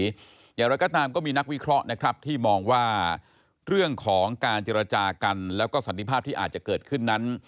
อย่างไรก็ตามก็มีนักวิเคราะห์นะครับที่มองว่าเรื่องของการเจรจากันแล้วก็สันติภาพที่อาจจะเกิดขึ้นนั้น